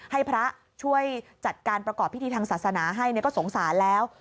ให้พระช่วยจัดการประกอบพิธีทางศาสนาให้ก็สงสารแล้ว